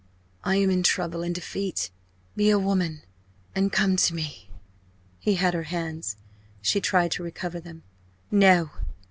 I am in trouble and defeat be a woman, and come to me!" He had her hands. She tried to recover them. "No!"